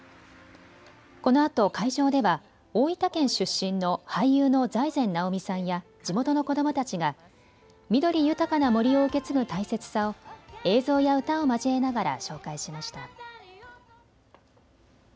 このあと会場では大分県出身の俳優の財前直見さんや地元の子どもたちが、緑豊かな森を受け継ぐ大切さを映像や歌を交えながら紹介しました。